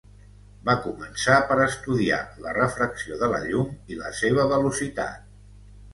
Va començar per estudiar la refracció de la llum i la seva velocitat.